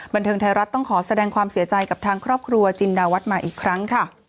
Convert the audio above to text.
บันเทิงไทยรัฐต้องขอแสดงความเสียใจกับทางครอบครัวจินดาวัฒน์มาอีกครั้งค่ะ